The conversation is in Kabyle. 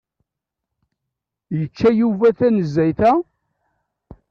Yečča Yuba tanezzayt-a?